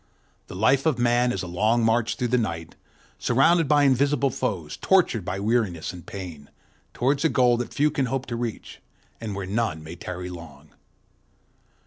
The life of Man is a long march through the night, surrounded by invisible foes, tortured by weariness and pain, towards a goal that few can hope to reach, and where none may tarry long.